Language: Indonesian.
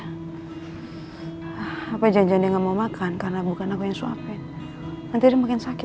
hai apa janjiannya gak mau makan karena bukan aku yang cocok staged makin sakit